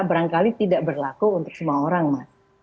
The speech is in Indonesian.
barangkali tidak berlaku untuk semua orang mas